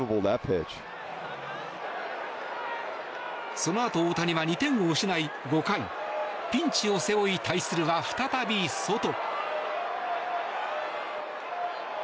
そのあと大谷は２点を失い５回、ピンチを背負い対するは再びソト。